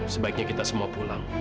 sebaiknya kita semua pulang